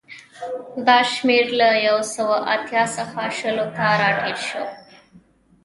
دا شمېر له یو سوه اتیا څخه شلو ته راټیټ شو